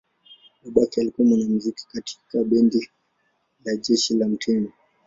Babake alikuwa mwanamuziki katika bendi la jeshi la mtemi.